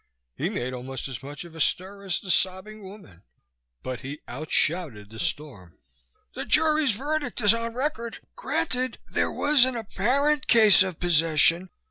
He made almost as much of a stir as the sobbing woman, but he outshouted the storm. "The jury's verdict is on record. Granted there was an apparent case of possession.